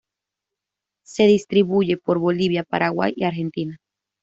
Se distribuye por Bolivia, Paraguay, y Argentina.